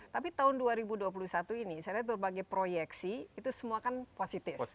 tapi tahun dua ribu dua puluh satu ini saya lihat berbagai proyeksi itu semua kan positif